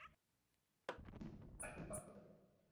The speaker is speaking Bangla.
দায়িত্বের কাজ তো বটেই!